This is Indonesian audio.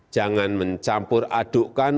jangan mencampur adukkan